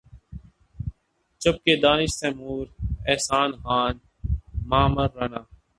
جب کہ دانش تیمور، احسن خان، معمر رانا